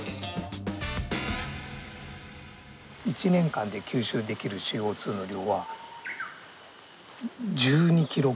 １年間で吸収できるＣＯの量は１２ｋｇです。